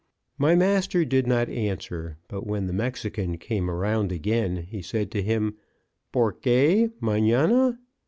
My master did not answer, but when the Mexican came around again, he said to him, "Porque manana?"